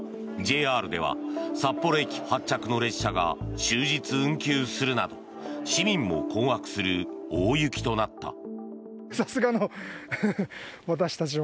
ＪＲでは札幌駅発着の列車が終日運休するなど市民も困惑する大雪となった。